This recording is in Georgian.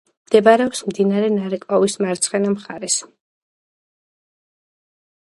მდებარეობს მდინარე ნარეკვავის მარცხენა მხარეს.